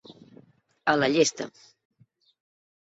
A la llesta.